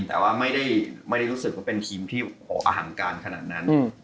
แต่ว่าไม่ได้รู้สึกว่าเป็นทีมที่อหังการขนาดนั้น